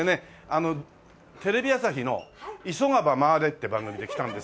あのテレビ朝日の「急がば回れ」って番組で来たんですよ。